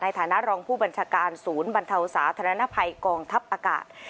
ในฐานาลองผู้บัญชาการศูนย์บรรเทาศาสตร์ธนาภัยกองทัพอากาศ